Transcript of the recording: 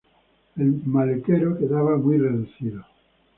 El maletero quedaba muy reducido.